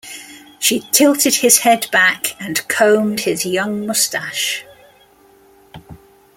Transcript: She tilted his head back and combed his young moustache.